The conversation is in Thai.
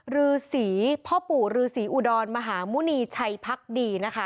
รือศรีพ่อปู่รือศรีอุดรมหาหมุนีชัยภักดีนะคะ